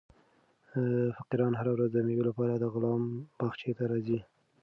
فقیران هره ورځ د مېوې لپاره د غلام باغچې ته راځي.